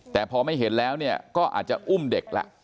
แต่พอไม่เห็นแล้วเนี่ยก็อาจจะอุ้มเด็กแล้ว